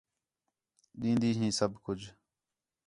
ݙین٘دی ہیں سب کُج